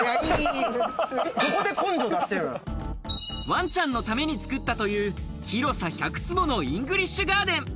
ワンちゃんのために作ったという広さ１００坪のイングリッシュガーデン。